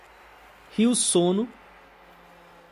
Rio Sono